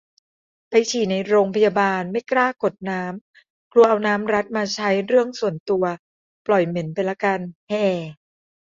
ไปฉี่ในโรงพยาบาล ไม่กล้ากดน้ำ กลัวเอาน้ำรัฐมาใช้เรื่องส่วนตัว ปล่อยเหม็นไปละกัน แฮ่